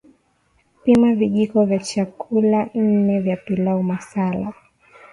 Pima vijiko vya chakula nne vya pilau masala